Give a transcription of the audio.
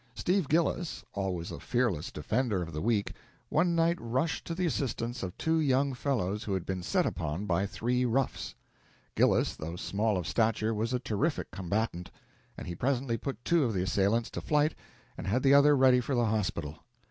Steve Gillis, always a fearless defender of the weak, one night rushed to the assistance of two young fellows who had been set upon by three roughs. Gillis, though small of stature, was a terrific combatant, and he presently put two of the assailants to flight and had the other ready for the hospital.